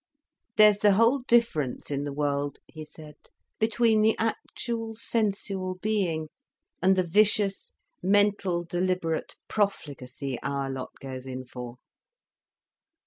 "There's the whole difference in the world," he said, "between the actual sensual being, and the vicious mental deliberate profligacy our lot goes in for.